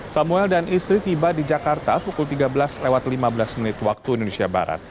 samuel dan istri tiba di jakarta pukul tiga belas lewat lima belas menit waktu indonesia barat